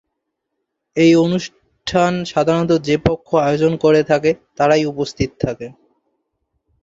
এই অনুষ্ঠানে সাধারণত যে পক্ষ আয়োজন করে থাকে তারাই উপস্থিত থাকে।